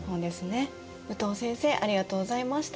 武藤先生ありがとうございました。